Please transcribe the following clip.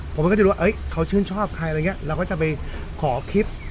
ผมก็จะรู้ว่าเขาชื่นชอบใครอะไรอย่างนี้เราก็จะไปขอคลิป